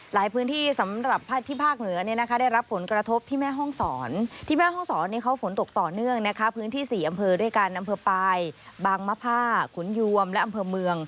หลายพื้นที่สำหรับที่ภาคเหนือ